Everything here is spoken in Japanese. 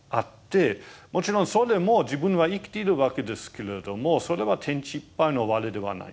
もちろんそれも自分は生きているわけですけれどもそれは「天地いっぱいの我」ではないんですね。